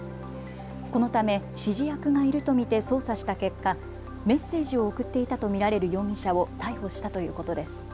このため指示役がいると見て捜査した結果、メッセージを送っていたと見られる容疑者を逮捕したということです。